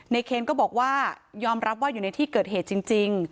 เคนก็บอกว่ายอมรับว่าอยู่ในที่เกิดเหตุจริง